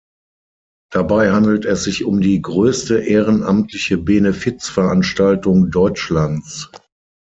Dabei handelt es sich um die größte ehrenamtliche Benefizveranstaltung Deutschlands.